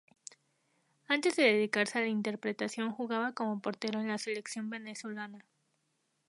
Antes de dedicarse a la interpretación jugaba como portero en la selección venezolana.